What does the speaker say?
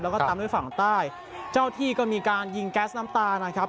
แล้วก็ตามด้วยฝั่งใต้เจ้าที่ก็มีการยิงแก๊สน้ำตานะครับ